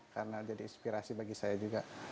karena jadi inspirasi bagi saya juga